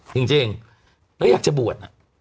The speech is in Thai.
จริงแล้วอยากจะบวช